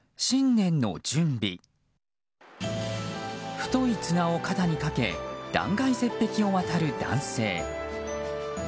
太い綱を肩にかけ断崖絶壁を渡る男性。